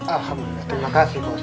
alhamdulillah terima kasih pak ustadz